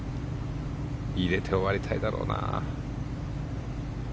入れて終わりたいだろうな。